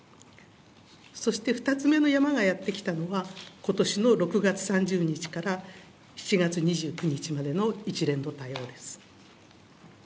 そして２つ目の山がやってきたのがことしの６月３０日から７月２９日までの一連の対応です。